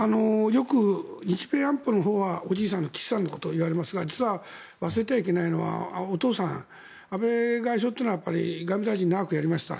よく日米安保のほうはおじいさんの岸さんのことを言われますが実は忘れてはいけないのはお父さん、安倍外相は外務大臣を長くやりました。